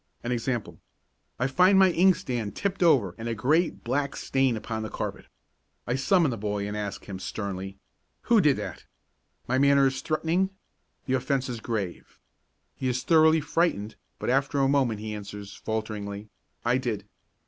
An example: I find my inkstand tipped over and a great black stain upon the carpet. I summon the boy and ask him sternly: "Who did that?" My manner is threatening. The offence is grave. He is thoroughly frightened, but after a moment he answers, falteringly, "I did."